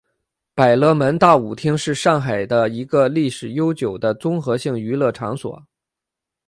百乐门大舞厅是上海的一个历史悠久的综合性娱乐场所。